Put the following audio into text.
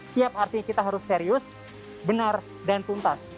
siap artinya kita harus serius benar dan tuntas